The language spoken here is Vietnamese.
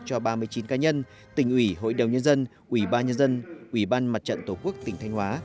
cho ba mươi chín cá nhân tỉnh ủy hội đồng nhân dân ủy ban nhân dân ủy ban mặt trận tổ quốc tỉnh thanh hóa